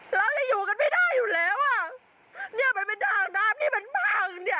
เราจะอยู่กันไม่ได้อยู่แล้วอ่ะเนี้ยมันเป็นทางน้ำที่มันพังเนี้ย